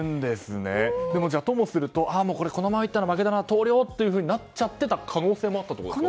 でも、ともするとここまでいったら負けだな、投了となっていた可能性もあったんですか。